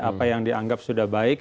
apa yang dianggap sudah baik ya sudah